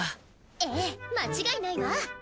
ええ間違いないわ。